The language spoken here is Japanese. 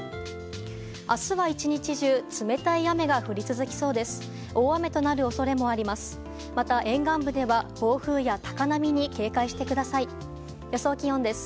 明日は１日中冷たい雨が降り続きそうです。